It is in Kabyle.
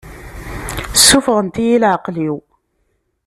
Ssufɣen-iyi i leεqel-iw.